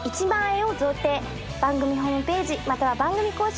番組ホームページまたは番組公式